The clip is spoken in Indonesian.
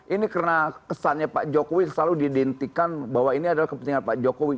ini karena kesannya pak jokowi selalu diidentikan bahwa ini adalah kepentingan pak jokowi